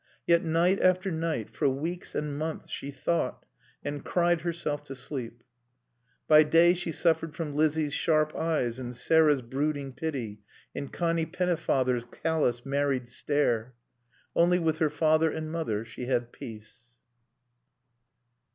Yet night after night, for weeks and months, she thought, and cried herself to sleep. By day she suffered from Lizzie's sharp eyes and Sarah's brooding pity and Connie Pennefather's callous, married stare. Only with her father and mother she had peace.